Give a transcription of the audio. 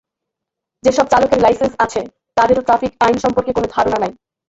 যেসব চালকের লাইসেন্স আছে, তাঁদেরও ট্রাফিক আইন সম্পর্কে কোনো ধারণা নেই।